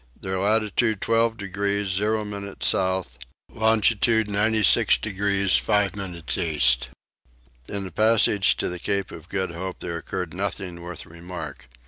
Their latitude 12 degrees 0 minutes south. Longitude 96 degrees 5 minutes east. In the passage to the Cape of Good Hope there occurred nothing worth remark.